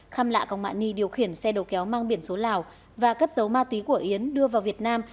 khăm lạ công mã ni điều khiển xe đầu kéo mang biển số lào và cấp dấu ma túy của yến đưa vào việt nam